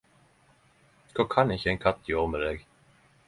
Kva kan ikkje ein katt gjere med deg?